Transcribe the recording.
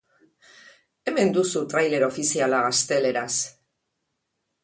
Hemen duzu trailer ofiziala gazteleraz.